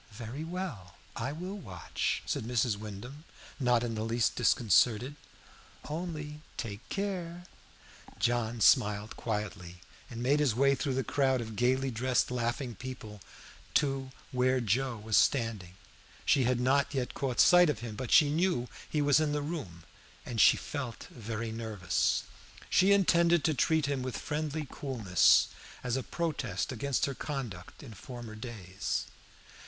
"Very well, I will watch," said Mrs. Wyndham, not in the least disconcerted. "Only take care." John smiled quietly, and made his way through the crowd of gaily dressed, laughing people to here Joe was standing. She had not yet caught sight of him, but she knew he was in the room, and she felt very nervous. She intended to treat him with friendly coolness, as a protest against her conduct in former days.